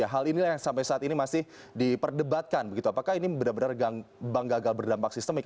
hal inilah yang sampai saat ini masih diperdebatkan begitu apakah ini benar benar bank gagal berdampak sistemik